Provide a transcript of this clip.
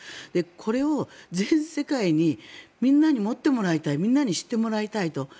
これを全世界にみんなに持ってもらいたいみんなに知ってもらいたいと。